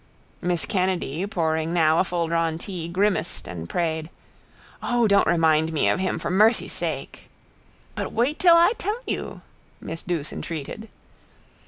Miss Kennedy, pouring now a fulldrawn tea, grimaced and prayed: —O, don't remind me of him for mercy' sake! —But wait till I tell you, miss Douce entreated.